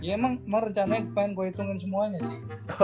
emang rencana yang pengen gue hitungin semuanya sih